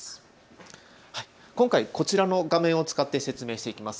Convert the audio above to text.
今回、こちらの画面を使って説明していきます。